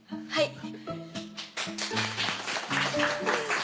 はい。